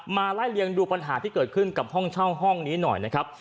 ไล่เลียงดูปัญหาที่เกิดขึ้นกับห้องเช่าห้องนี้หน่อยนะครับ